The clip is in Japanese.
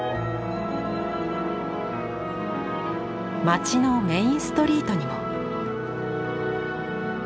街のメインストリートにも。